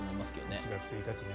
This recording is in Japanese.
１月１日ね。